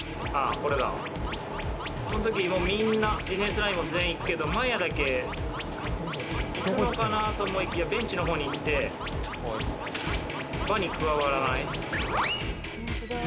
この時、みんなディフェンスラインも全員行くけど麻也だけ行くのかなと思いきやベンチのほうに行って輪に加わらない。